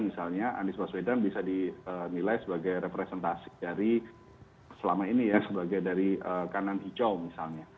misalnya anies baswedan bisa dinilai sebagai representasi dari selama ini ya sebagai dari kanan hijau misalnya